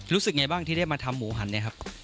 รู้สึกไงบ้างที่ได้มาทำหมูหันเนี่ยครับ